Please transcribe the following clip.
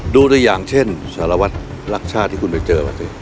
ดูได้อย่างเช่นสารวัตรรักชาติที่คุณไปเจอมาสิ